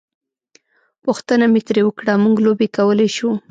پوښتنه مې ترې وکړه: موږ لوبې کولای شو؟